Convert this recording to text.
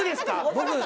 僕？